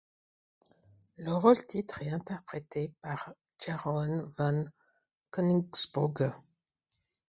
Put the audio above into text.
Le rôle-titre est interprété par Jeroen van Koningsbrugge.